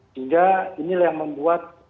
sehingga inilah yang membuat